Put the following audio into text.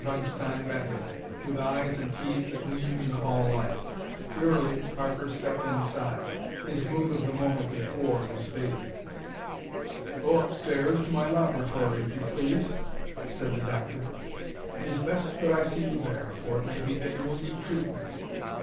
von Stein met him, with eyes and teeth agleam in the hall light. Wearily Parker stepped inside. His mood of the moment before was fading. "Go upstairs to my laboratory, if you please," said the doctor. "It is best that I see you there, for it may be that you will need treatment."